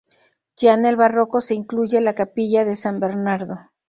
Ya en el barroco se incluye la capilla de San Bernardo.